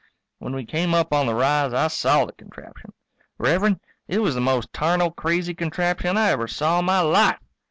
When we came up on the rise I saw the contraption. Rev'rend, it was the most tarnal crazy contraption I ever saw in my life.